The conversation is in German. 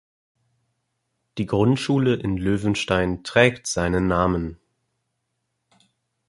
Die Grundschule in Löwenstein trägt seinen Namen.